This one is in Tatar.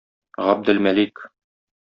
Габделмәлик.